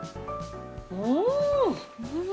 うん！